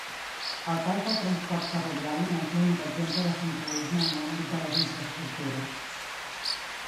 El cas del transport ferroviari no és l'únic exemple de centralisme en l'àmbit de les infraestructures.